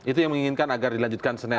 itu yang menginginkan agar dilanjutkan senin